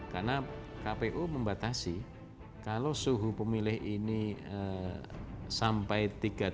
karena kpu membatasi kalau suhu pemilih ini sampai tiga puluh tujuh tiga